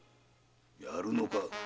やるのか？